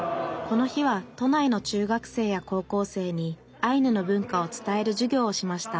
この日は都内の中学生や高校生にアイヌの文化を伝える授業をしました